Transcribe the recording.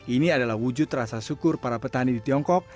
ini adalah wujud rasa syukur para petani di tiongkok